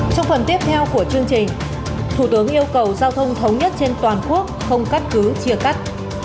trong phần tiếp theo của chương trình thủ tướng yêu cầu giao thông thống nhất trên toàn quốc không cắt cứ chia cắt